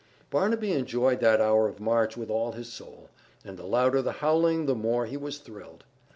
Barnaby enjoyed that hour of march with all his soul, and the louder the howling the more he was thrilled.